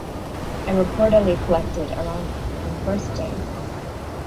It reportedly collected around on first day.